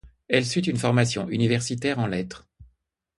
Elle suit une formation universitaire en lettres.